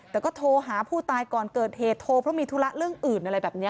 แต่ก็โทรหาผู้ตายก่อนเกิดเหตุโทรเพราะมีธุระเรื่องอื่นอะไรแบบนี้